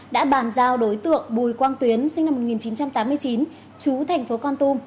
đã bàn giao đối tượng bùi quang tuyến sinh năm một nghìn chín trăm tám mươi chín chú thành phố con tum